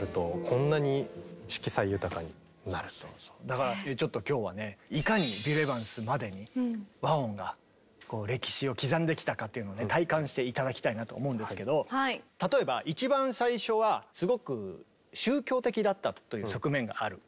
だからちょっと今日はねいかにビル・エヴァンスまでに和音が歴史を刻んできたかというのをね体感して頂きたいなと思うんですけど例えば一番最初はすごく宗教的だったという側面がある。